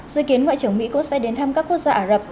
dự kiến ngoại trưởng mỹ cũng sẽ đến thăm các quốc gia ả rập